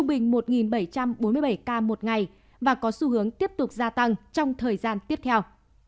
trong một ngày và có xu hướng tiếp tục gia tăng trong thời gian tiếp theo